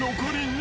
２。